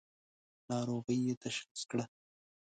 ناروغۍ یې تشخیص کړه.